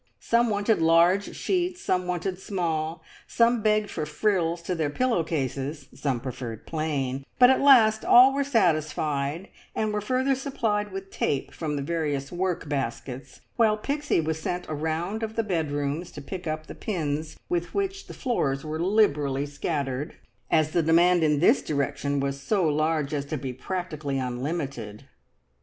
Some wanted large sheets, some wanted small; some begged for frills to their pillow cases, some preferred plain; but at last all were satisfied, and were further supplied with tape from the various work baskets, while Pixie was sent a round of the bedrooms to pick up the pins, with which the floors were liberally scattered, as the demand in this direction was so large as to be practically unlimited.